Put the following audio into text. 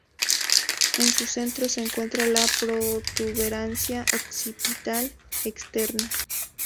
En su centro se encuentra la protuberancia occipital externa.